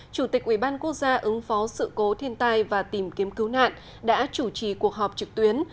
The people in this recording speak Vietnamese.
chủ tịch ubnd ứng phó sự cố thiên tai và tìm kiếm cứu nạn đã chủ trì cuộc họp trực tuyến